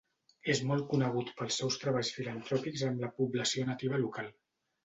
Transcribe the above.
És molt conegut pels seus treballs filantròpics amb la població nativa local.